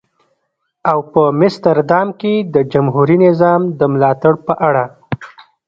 او په مستر دام کې د جمهوري نظام د ملاتړ په اړه.